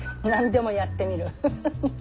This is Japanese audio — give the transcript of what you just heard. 何でもやってみるフフフ。